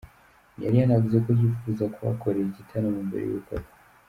Yari yanavuze ko yifuza kuhakorera igitaramo mbere yuko apfa.